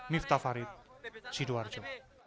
miftah farid sidoarjo